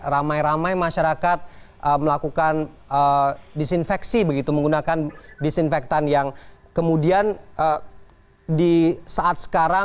ramai ramai masyarakat melakukan disinfeksi begitu menggunakan disinfektan yang kemudian di saat sekarang